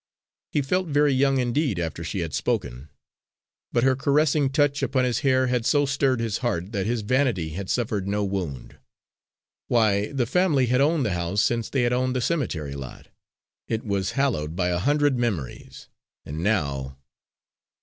He felt very young indeed after she had spoken, but her caressing touch upon his hair had so stirred his heart that his vanity had suffered no wound. Why, the family had owned the house since they had owned the cemetery lot! It was hallowed by a hundred memories, and now!